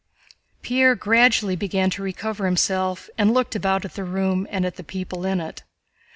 Pierre gradually began to recover himself and looked about at the room and at the people in it.